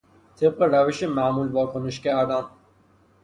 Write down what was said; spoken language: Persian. طبق روش معمول واکنش کردن